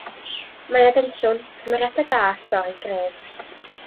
Mae 'na densiwn, cymeriadau da, stori gref.